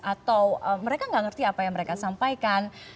atau mereka nggak ngerti apa yang mereka sampaikan